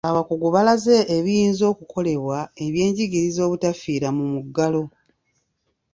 Abakungu balaze ebiyinza okukolebwa eby’enjigiriza obutafiira mu muggalo.